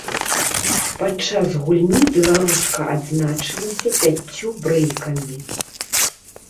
Падчас гульні беларуска адзначылася пяццю брэйкамі.